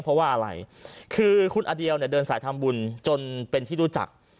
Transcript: เพราะว่าอะไรคือคุณอเดียวเนี่ยเดินสายทำบุญจนเป็นที่รู้จัก